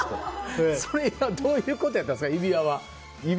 それはどういうことやったんですか？